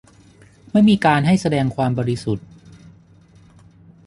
ไม่มีการให้แสดงความบริสุทธิ์